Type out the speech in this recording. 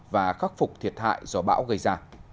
và khắc phục thiệt hại do bão gây ra